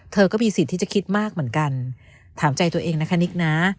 ก็มีสิทธิ์ที่จะคิดมากเหมือนกันถามใจตัวเองนะคะนิกนะ